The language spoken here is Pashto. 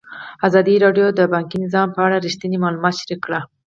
ازادي راډیو د بانکي نظام په اړه رښتیني معلومات شریک کړي.